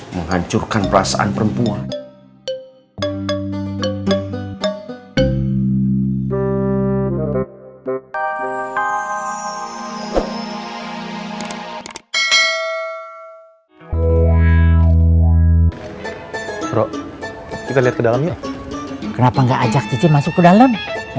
menghancurkan perasaan perempuan